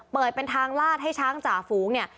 เปิดเป็นทางลาดให้ช้างจ่าฝูงเนี่ย